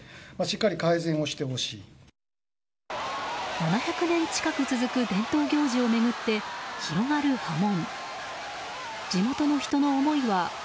７００年近く続く伝統行事を巡って広がる波紋。